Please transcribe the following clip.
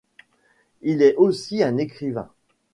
Il est aussi un écrivain.